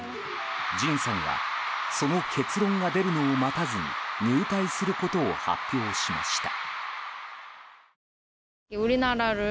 ＪＩＮさんはその結論が出るのを待たずに入隊することを発表しました。